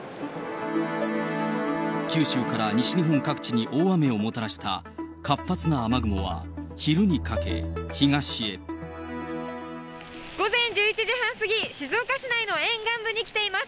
九州から西日本各地に大雨をもたらした活発な雨雲は昼にかけ、東午前１１時半過ぎ、静岡市内の沿岸部に来ています。